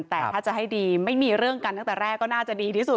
แต่ถ้าจะให้ดีไม่มีเรื่องกันตั้งแต่แรกก็น่าจะดีที่สุด